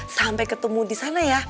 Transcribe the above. sampai ketemu di sana ya